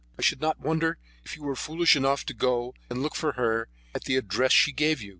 I should not wonder if you were foolish enough to go and look for her at the address she gave you.